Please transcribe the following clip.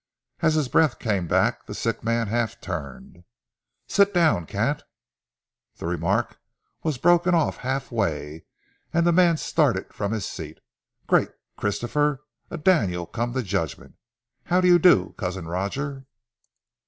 As his breath came back the sick man half turned. "Sit down, can't " The remark was broken off half way, and the man started from his seat. "Great Christopher! A Daniel come to judgment! How do you do, Cousin Roger?"